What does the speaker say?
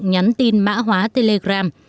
nhắn tin mã hóa telegram